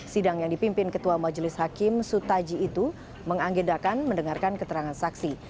sidang yang dipimpin ketua majelis hakim su taji itu menganggedakan mendengarkan keterangan saksi